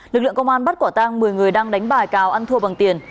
lực lượng công an bắt quả tang một mươi người đang đánh bài cào ăn thua bằng tiền